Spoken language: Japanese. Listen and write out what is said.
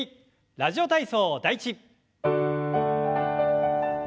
「ラジオ体操第１」。